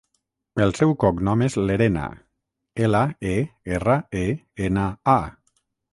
El seu cognom és Lerena: ela, e, erra, e, ena, a.